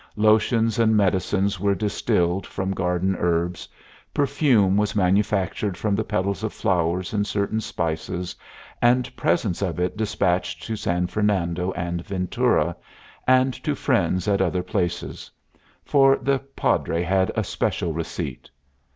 Lotions and medicines was distilled from garden herbs. Perfume was manufactured from the petals of flowers and certain spices, and presents of it despatched to San Fernando and Ventura, and to friends at other places; for the Padre had a special receipt.